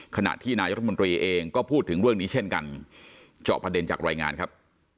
ขณะที่นายรัฐมนตรีเองก็พูดถึงเรื่องนี้เช่นกันเจาะประเด็นจากรายงานครับ